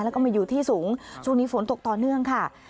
แล้วก็มาอยู่ที่สูงช่วงนี้ฝนตกต่อเนื่องค่ะ